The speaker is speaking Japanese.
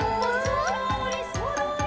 「そろーりそろり」